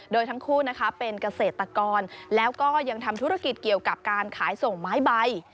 โดยทั้งคู่นะคะเป็นเกษตรกรแล้วก็ยังทำธุรกิจเกี่ยวกับการขายส่งไม้ใบ